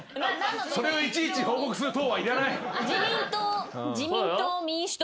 それをいちいち報告する党はいらない。